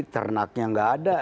ternaknya tidak ada